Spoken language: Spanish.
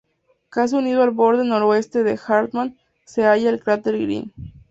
Casi unido al borde noroeste de Hartmann se halla el cráter Green.